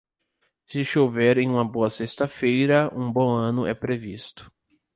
Se chover em uma boa sexta-feira, um bom ano é previsto.